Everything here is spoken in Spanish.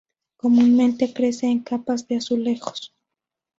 Comúnmente crece en capas de azulejos.